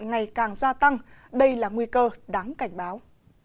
ngày càng gia tăng đây là nguy cơ đáng cảnh báo